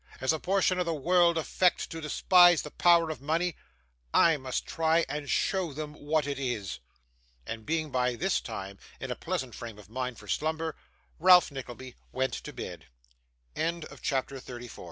As a portion of the world affect to despise the power of money, I must try and show them what it is.' And being, by this time, in a pleasant frame of mind for slumber, Ralph Nickleby went to b